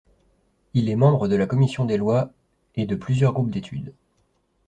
Il est membre de la commission des lois et de plusieurs groupes d’études.